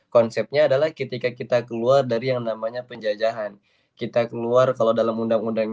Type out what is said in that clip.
konsepnya adalah ketika kita keluar dari yang namanya penjajahan kita keluar kalau dalam undang undang